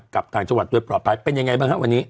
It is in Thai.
กลับทางชวรรค์ด้วยปลอดภัยเป็นอย่างไรบ้างครับวันนี้